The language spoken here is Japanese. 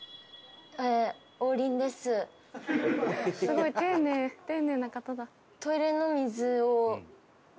すごい丁寧丁寧な方だ。